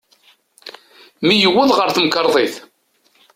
Mi yewweḍ ɣer temkerḍit.